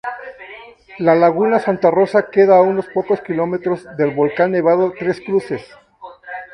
La laguna Santa Rosa queda a unos pocos kilómetros del volcán Nevado Tres Cruces.